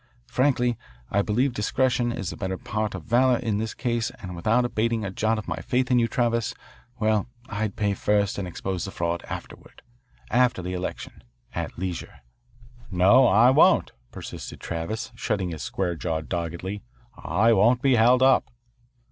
Frankly, I believe discretion is the better part of valour in this case and without abating a jot of my faith in you, Travis, well, I'd pay first and expose the fraud afterward, after the election, at leisure." "No, I won't," persisted Travis, shutting his square jaw doggedly. "I won't be held up."